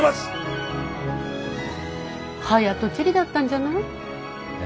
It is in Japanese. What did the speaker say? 早とちりだったんじゃない？え？